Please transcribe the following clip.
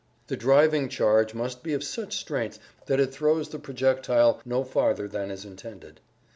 The driving charge must be of such strength that it throws the projectile no farther than is intended.